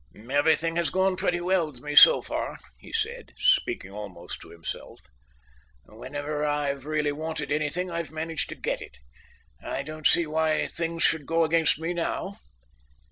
"Everything has gone pretty well with me so far," he said, speaking almost to himself. "Whenever I've really wanted anything, I've managed to get it. I don't see why things should go against me now."